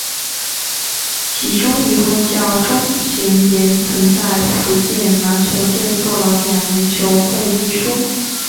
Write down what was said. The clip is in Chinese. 其中一位叫钟行廉曾在福建篮球队做了两年球会秘书。